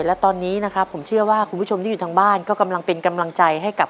และตอนนี้นะครับผมเชื่อว่าคุณผู้ชมที่อยู่ทางบ้านก็กำลังเป็นกำลังใจให้กับ